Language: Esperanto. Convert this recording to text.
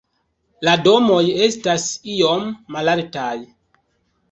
La domoj estas iom malaltaj.